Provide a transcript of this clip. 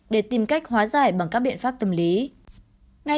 để tìm cách hóa giải bằng các biện pháp tâm lý